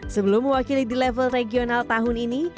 sebelum mewakili di level regional tahun ini